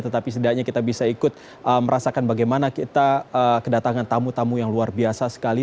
tetapi setidaknya kita bisa ikut merasakan bagaimana kita kedatangan tamu tamu yang luar biasa sekali